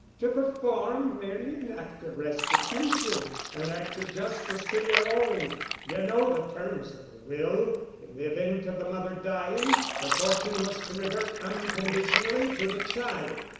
"To perform merely an act of restitution, an act of justice to yer own. Ye know the terms of the will. In the event of the mother dying, her fortune was to revert unconditionally to the child.